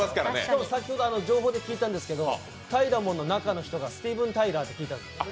先ほど情報で聞いたんですけどたいらもんの中の人がスティーブン・タイラーって聞いたんです。